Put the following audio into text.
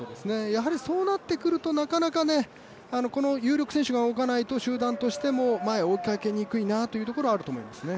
やはりそうなってくるとなかなかこの有力選手が動かないと集団としても前を追いかけにくいなというところはあると思いますね。